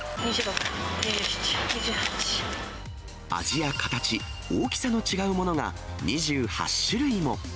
味や形、大きさの違うものが２８種類も。